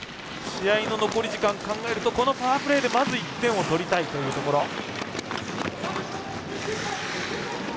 試合の残り時間を考えるとこのパワープレーでまず１点を取りたいというところ。